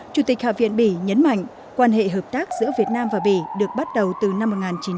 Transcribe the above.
chủ tịch hạ viện bỉ nhấn mạnh quan hệ hợp tác giữa việt nam và bỉ được bắt đầu từ năm một nghìn chín trăm bảy mươi